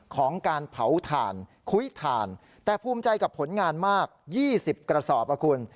ของการเผาถ่านคุ้ยถ่านแต่ภูมิใจกับผลงานมาก๒๐กระสอบอ่ะคุณ